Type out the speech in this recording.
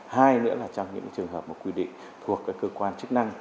hai nữa là trong những trường hợp mà quy định thuộc cơ quan chức năng